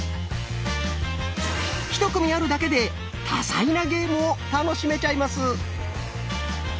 １組あるだけで多彩なゲームを楽しめちゃいます。